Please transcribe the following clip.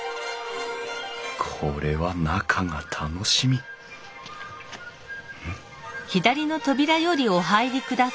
これは中が楽しみん？